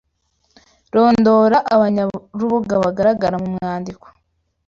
Rondora abanyarubuga bagaragara mu mwandiko.